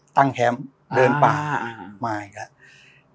แคมป์เดินป่ามาอีกแล้ว